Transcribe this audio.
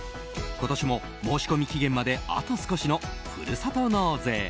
今年も申込期限まであと少しのふるさと納税。